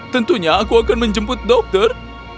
tentunya aku akan menjemput dokter